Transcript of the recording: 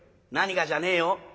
何がじゃねえよ。